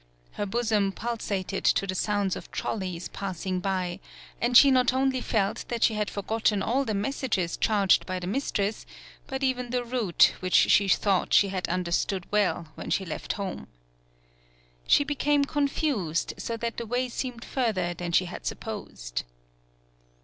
Her bosom pul sated to the sounds of trolleys passing by, and she not only felt that she had forgotten all the messages charged by 73 PAULOWNIA the mistress, but even the route which she thought she had understood well when she left home. She became con fused, so that the way seemed further than she had supposed.